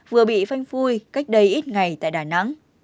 vừa bị phanh phui cách đây ít ngày tại đà nẵng